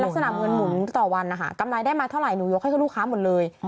คือเสนอมเงินหุมต่อวันวันกำไรได้มาเท่าไหร่หนูยกให้ลูกค้าหมดเลย